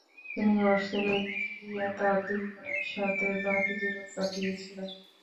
তিনি গর্সেলে গিয়ে তাঁর দুই বোনের সাথে বাকি জীবন কাটিয়ে ছিলেন।